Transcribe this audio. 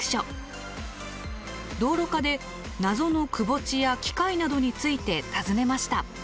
道路課で謎の窪地や機械などについて尋ねました。